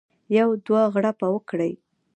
یو دوه غړپه وکړي.